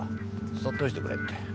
そっとしておいてくれって。